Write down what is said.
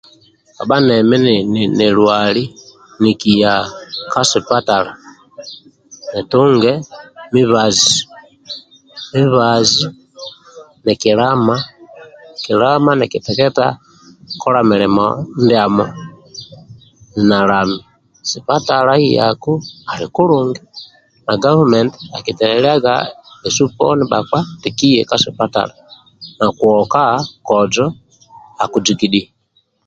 Kabha nemi ninilwali nikiya ka sipatala nitunge mibazi mibazi nikilama kilama nikiteketa kola milimo ndiamo nalami sipatala yaku ali kulungi na government akiteleliaga bhesu poni bhakpa eti kiye kasipatala nokuoka kozo akuzigidhia